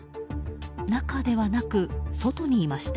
中ではなく、外にいました。